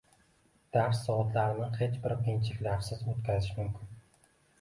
Dars soatlarini hech bir qiyinchiliksiz o’tkazish mumkin.